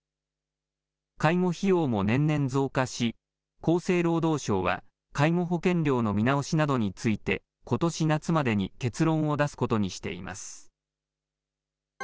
介護費用も年々増加し、厚生労働省は、介護保険料の見直しなどについて、ことし夏までに結論を出すことにしています。